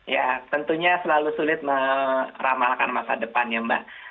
ya tentunya selalu sulit meramalkan masa depannya mbak